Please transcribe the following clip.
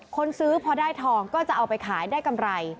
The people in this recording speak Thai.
คนซื้อพอได้ทองก็จะเอาไปขายได้กำไร